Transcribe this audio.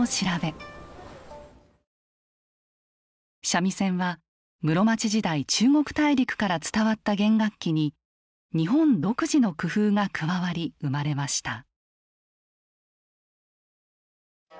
三味線は室町時代中国大陸から伝わった弦楽器に日本独自の工夫が加わり生まれました。